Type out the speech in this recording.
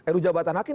ruu jabatan hakim